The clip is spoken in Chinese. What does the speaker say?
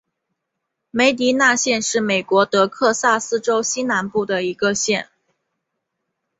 梅迪纳县是美国德克萨斯州西南部的一个县。